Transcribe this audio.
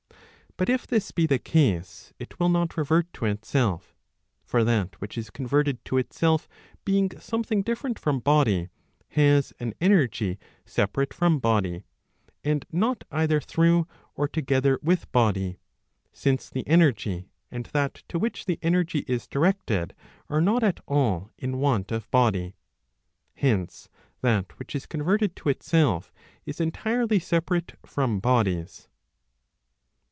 But if this be the case, it will not revert to itself. For that which is converted to itself being something different from body, has an energy separate from body, and not either through, or together with body, since the energy, and that to which the energy is directed, are not at all in want of body. Hence, that which is converted to itself, is entirely separate from bodies.